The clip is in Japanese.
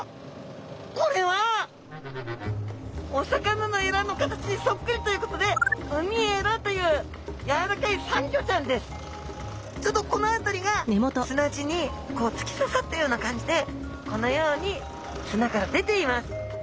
これはお魚のエラの形にそっくりということでウミエラというちょうどこのあたりが砂地につきささったような感じでこのように砂から出ています！